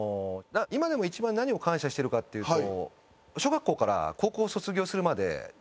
今でも一番何を感謝してるかっていうと。